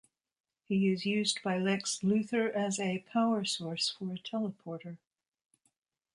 He is used by Lex Luthor as a power source for a teleporter.